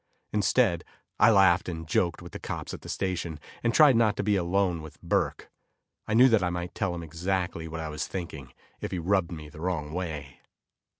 Instead, I laughed and joked with the cops at the station, and tried not to be alone with Burke. I knew that I might tell him exactly what I was thinking if he rubbed me the wrong way.